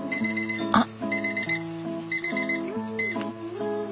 あっ。